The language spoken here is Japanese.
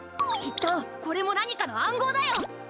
きっとこれも何かの暗号だよ。